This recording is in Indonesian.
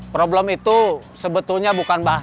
problem itu sebetulnya bukan bahan bahan